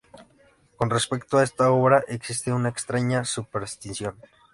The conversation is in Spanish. Con respecto a esta obra, existe una extraña superstición.